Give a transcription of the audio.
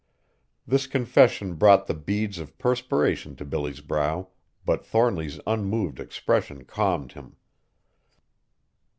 This confession brought the beads of perspiration to Billy's brow, but Thornly's unmoved expression calmed him.